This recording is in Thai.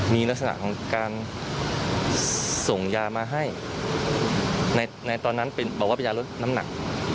มีลักษณะของการส่งยามาให้ในตอนนั้นบอกว่าเป็นยาลดน้ำหนัก